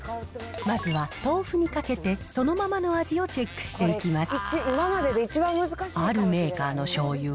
まずは豆腐にかけて、そのままの味をチェックしていきます。